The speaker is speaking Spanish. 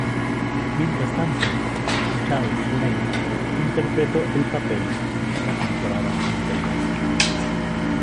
Mientras tanto, Charles Lane interpretó el papel en la temporada anterior.